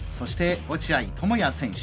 落合知也選手。